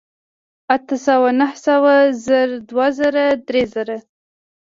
اتۀ سوه نهه سوه زر دوه زره درې زره